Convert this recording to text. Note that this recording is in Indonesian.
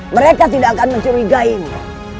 mereka tidak akan mencurigainu